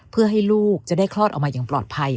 เพื่อให้ลูกจะได้คลอดออกมาอย่างปลอดภัย